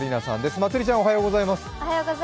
まつりちゃん、おはようございます。